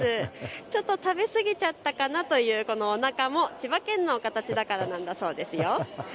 ちょっと食べ過ぎちゃったかなというこのおなかも千葉県の形だからなんだそうです。